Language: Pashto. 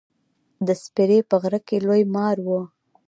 د سپرې په غره کښي لوی مار و.